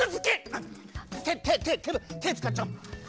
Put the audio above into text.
てててててつかっちゃおう。